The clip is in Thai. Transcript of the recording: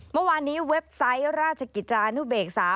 เมื่อวานนี้เว็บไซต์ราชกิจจานุเบกษา